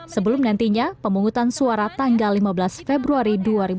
sebelum nantinya pemungutan suara tanggal lima belas februari dua ribu dua puluh